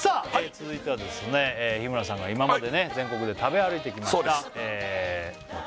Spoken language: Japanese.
続いてはですね日村さんが今までね全国で食べ歩いてきましたそうです